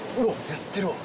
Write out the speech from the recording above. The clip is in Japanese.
やってるわ。